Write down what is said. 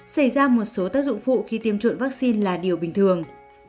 xong xảy ra một số tác dụng phụ khi tiêm trộn vaccine là điều bình thường